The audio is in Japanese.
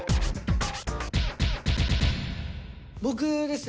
僕ですね